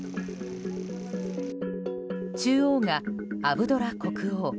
中央がアブドラ国王。